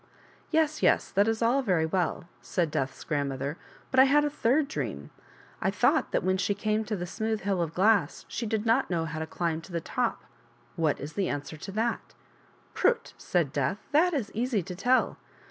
" Yes, yes, that is all very well," said Death's grandmother, " but I had a third dream ; I thought that when she came to the smooth hill of glass she did not know how to climb to the top ; what is the answer to that ?"" Prut !" said Death, " that is easy to tell.